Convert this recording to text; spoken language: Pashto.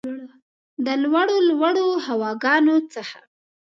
د لوړو ، لوړو هواګانو څخه